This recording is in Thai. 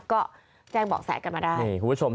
ก็แจ้งบอกแสดกันมาได้